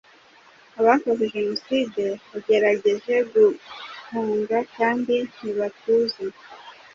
Abakoze jenoside bagerageje guhunga kandi ntibatuza.